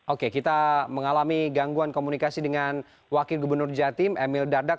oke kita mengalami gangguan komunikasi dengan wakil gubernur jatim emil dardak